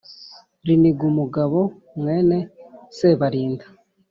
Rinigumugabo mwene Sebarinda